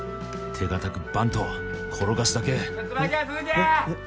手堅くバント転がすだけえっ？